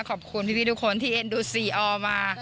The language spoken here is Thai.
ขอบคุณพี่ทุกคนที่ตำรวจอย่างนี้มา